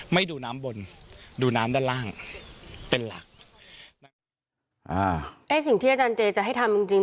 ดูน้ำบนดูน้ำด้านล่างเป็นหลักนะครับอ่าไอ้สิ่งที่อาจารย์เจจะให้ทำจริงจริง